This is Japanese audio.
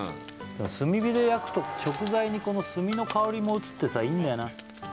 炭火で焼くと食材に炭の香りも移ってさいいんだよな